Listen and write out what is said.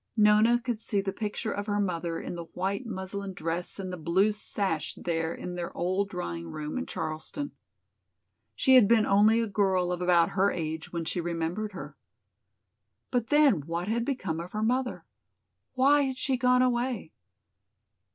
Nona could see the picture of her mother in the white muslin dress and the blue sash there in their old drawing room in Charleston. She had been only a girl of about her age when she remembered her. But then what had become of her mother? Why had she gone away?